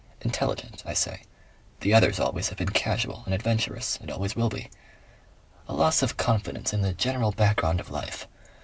Intelligent, I say. The others always have been casual and adventurous and always will be. A loss of confidence in the general background of life.